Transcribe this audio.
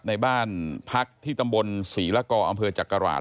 ในบ้านพักที่ตำบลศรีละกออำเภอจักราช